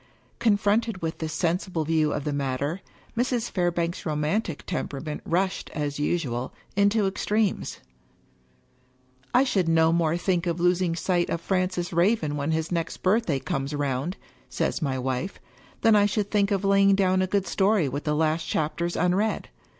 Confronted with this sensible view of the matter, Mrs. Fairbank's romantic temperament rushed, as usual, into ex tremes. " I should no more think of losing sight of Francis Raven when his next birthday comes round," says my wife, " than I should think of laying down a good story with the last chapters unread.